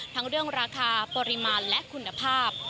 ทั้งเรื่องราคาปริมาณและคุณภาพ